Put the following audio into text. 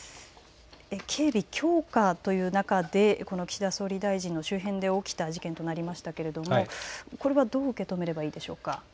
警備強化という中で岸田総理大臣の周辺で起きた事件となりましたけれどもこれはどう受け止めればいいでしょうか。